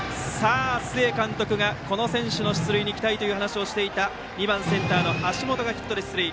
須江監督がこの選手の出塁に期待と話をしていた２番センター、橋本がヒットで出塁。